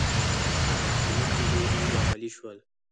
د ناپیلیون له لوري عملي شول.